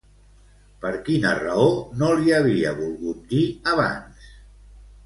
Per quina raó no li havia volgut dir abans?